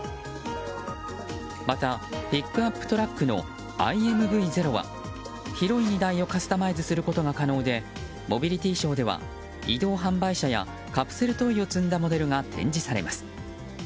また、ピックアップトラックのＩＭＶ０は広い荷台をカスタマイズすることが可能でモビリティショーでは移動販売車やカプセルトイを積んだモデルが展示されます。